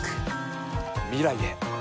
未来へ。